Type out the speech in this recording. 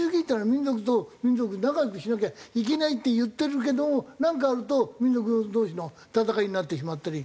民族と民族仲良くしなきゃいけないって言ってるけどなんかあると民族同士の戦いになってしまったり。